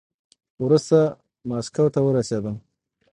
وروسته ماسکو ته ورسېدم.